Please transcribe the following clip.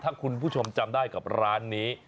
ถ้าคุณผู้ชมจำได้กับร้านนี้